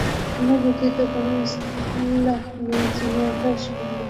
আল্লাহ ব্যতীত কোন ইলাহ নেই, যিনি আকাশ মণ্ডলীর অধিপতি ও পৃথিবীর অধিপতি।